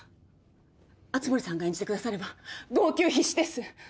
熱護さんが演じてくだされば号泣必至です。